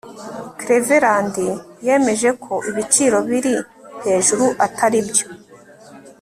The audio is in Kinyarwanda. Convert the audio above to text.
Cleveland yemeje ko ibiciro biri hejuru atari byo